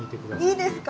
いいですか？